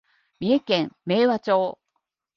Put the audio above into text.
三重県明和町